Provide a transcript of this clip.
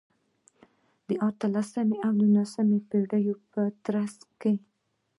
د اتلسمې او نولسمې پېړیو په ترڅ کې.